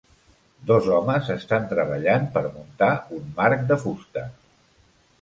Dos homes estan treballant per muntar un marc de fusta.